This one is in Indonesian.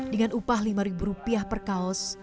dengan upah lima ribu rupiah per kaos